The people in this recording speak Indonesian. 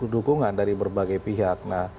dukungan dari berbagai pihak